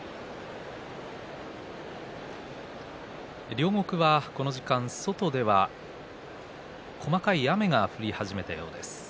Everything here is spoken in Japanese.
両国はこの時間外では細かい雨が降り始めたようです。